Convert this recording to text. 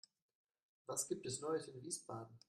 Was gibt es Neues in Wiesbaden?